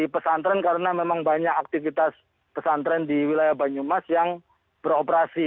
pesantren karena memang banyak aktivitas pesantren di wilayah banyumas yang beroperasi